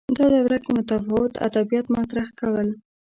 دا دوره کې متفاوت ادبیات مطرح کول